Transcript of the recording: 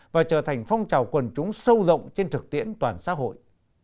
và trở thành phong trào quần chúng sâu rộng trên thực tiễn toàn xã hội